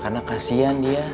karena kasian dia